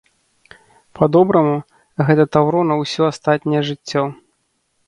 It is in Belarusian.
Па-добраму, гэта таўро на ўсё астатняе жыццё.